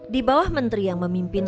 di bawah menteri yang memimpin